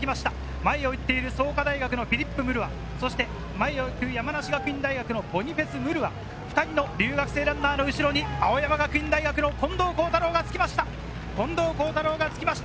前を行く創価大のフィリップ・ムルワ、山梨学院大学のボニフェス・ムルア、２人の留学生ランナーの後ろに青山学院大の近藤幸太郎がつきました。